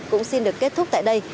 cũng xin được kết thúc tại đây